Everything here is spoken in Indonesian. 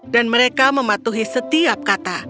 dan mereka mematuhi setiap kata